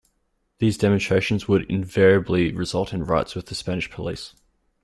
These demonstrations would invariably result in riots with the Spanish police.